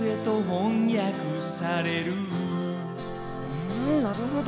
うんなるほど。